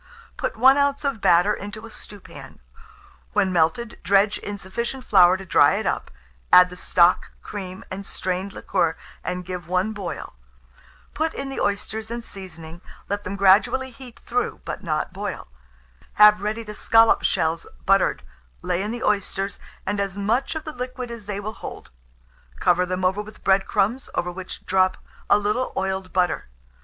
Put 1 oz. of batter into a stewpan; when melted, dredge in sufficient flour to dry it up; add the stock, cream, and strained liquor, and give one boil. Put in the oysters and seasoning; let them gradually heat through, but not boil. Have ready the scallop shells buttered; lay in the oysters, and as much of the liquid as they will hold; cover them over with bread crumbs, over which drop a little oiled butter.